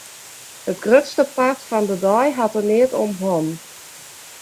It grutste part fan de dei hat er neat om hannen.